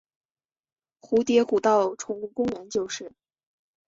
蝴蝶谷道宠物公园就是。